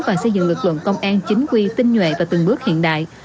và xây dựng lực lượng công an chính quy tinh nhuệ và từng bước hiện đại